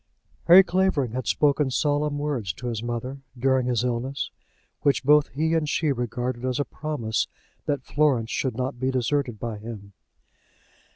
Harry Clavering had spoken solemn words to his mother, during his illness, which both he and she regarded as a promise that Florence should not be deserted by him.